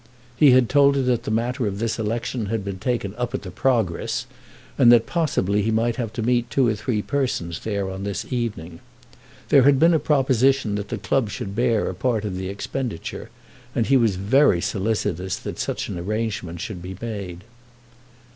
He had told her that the matter of this election had been taken up at the Progress, and that possibly he might have to meet two or three persons there on this evening. There had been a proposition that the club should bear a part of the expenditure, and he was very solicitous that such an arrangement should be made.